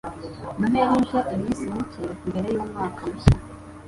Noheri ije iminsi mike mbere yumwaka mushya.